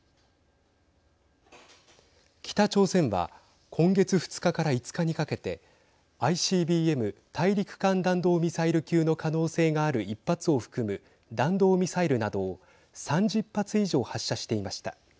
北朝鮮は今月２日から５日にかけてＩＣＢＭ＝大陸間弾道ミサイル級の可能性がある１発を含む弾道ミサイルなどを３０発以上、発射していました。